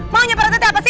maunya pak rt apa sih